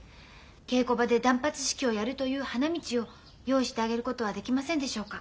稽古場で断髪式をやるという花道を用意してあげることはできませんでしょうか。